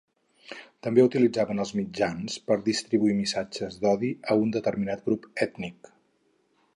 També utilitzaven els mitjans per distribuir missatges d'odi a un determinat grup ètnic.